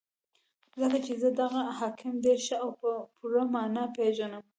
ځکه چې زه دغه حاکم ډېر ښه او په پوره مانا پېژنم.